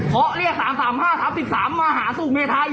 เคา้อเรียก๓๓๐๕๓๓มาหาสุเมธาอิมสอน